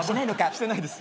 してないです。